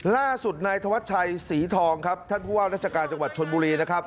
ล่าสุดนายธวัชชัยศรีทองครับท่านผู้ว่าราชการจังหวัดชนบุรีนะครับ